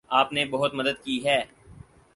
آپ نے بہت مدد کی ہے